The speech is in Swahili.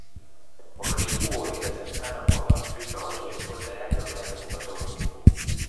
wakati huo inasemekana kwa Afrika watu walikua tayari wameanza kupata ugonjwa huu